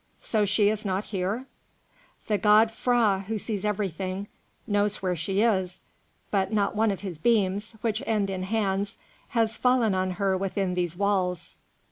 So she is not here?" "The god Phrah, who sees everything, knows where she is, but not one of his beams, which end in hands, has fallen on her within these walls.